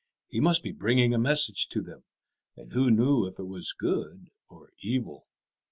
He must be bringing a message to them, and who knew if it was good or evil.